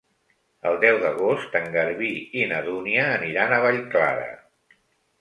El deu d'agost en Garbí i na Dúnia aniran a Vallclara.